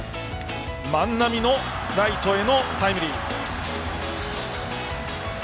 万波のライトへのタイムリー。